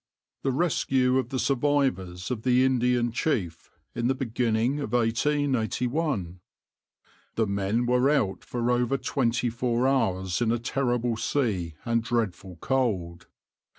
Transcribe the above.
\par "The rescue of the survivors of the {\itshape{Indian Chief}} in the beginning of 1881. The men were out for over twenty four hours in a terrible sea and dreadful cold.